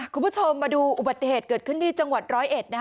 คุณผู้ชมมาดูอุบัติเหตุเกิดขึ้นที่จังหวัดร้อยเอ็ดนะคะ